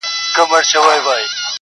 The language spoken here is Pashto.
لوستونکی سخت ځوروي تل،